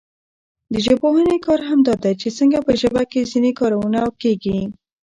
د ژبپوهني کار همدا دئ، چي څنګه په ژبه کښي ځیني کارونه کېږي.